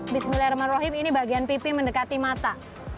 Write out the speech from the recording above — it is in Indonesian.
bismillahirrahmanirrahim ini bagian pipi mendekati mata